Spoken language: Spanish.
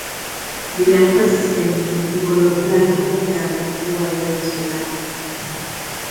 Vilano persistente, de color blanco plateado, ovado-lanceoladas.